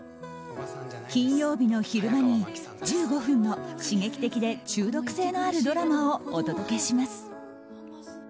金曜日の昼間に１５分の刺激的で中毒性のあるドラマをお届けします。